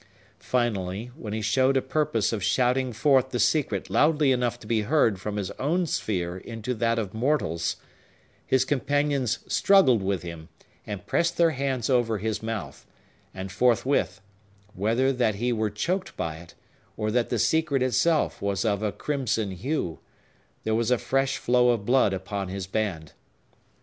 Finally, when he showed a purpose of shouting forth the secret loudly enough to be heard from his own sphere into that of mortals, his companions struggled with him, and pressed their hands over his mouth; and forthwith—whether that he were choked by it, or that the secret itself was of a crimson hue—there was a fresh flow of blood upon his band.